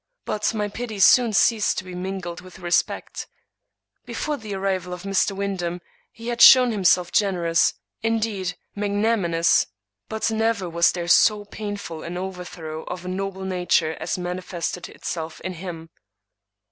But my pity soon ceased to be mingled with respect. Before the arrival of Mr. Wyndham he had shown himself generous, indeed magnanimous. But never was there so painful an overthrow of a noble nature as manifested itself in him.